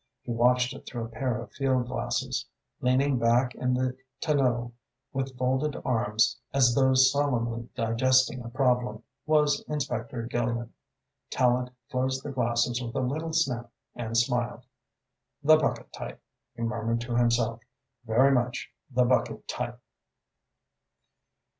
He watched it through a pair of field glasses. Leaning back in the tonneau with folded arms, as though solemnly digesting a problem, was Inspector Gillian. Tallente closed the glasses with a little snap and smiled. "The Bucket type," he murmured to himself, "very much the Bucket type."